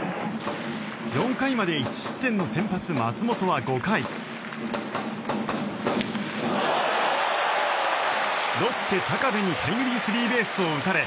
４回まで１失点の先発、松本は５回ロッテ高部にタイムリースリーベースを打たれ